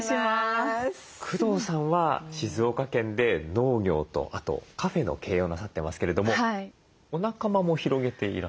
工藤さんは静岡県で農業とあとカフェの経営をなさってますけれどもお仲間も広げていらっしゃる？